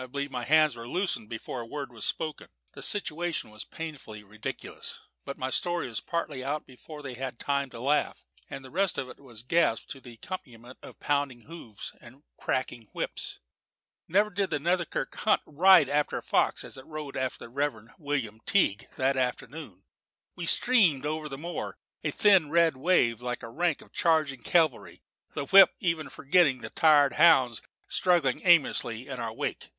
I believe my hands were loosened before a word was spoken. The situation was painfully ridiculous; but my story was partly out before they had time to laugh, and the rest of it was gasped to the accompaniment of pounding hoofs and cracking whips. Never did the Netherkirk Hunt ride after fox as it rode after the Rev. William Teague that afternoon. We streamed over the moor, a thin red wave, like a rank of charging cavalry, the whip even forgetting his tired hounds that straggled aimlessly in our wake.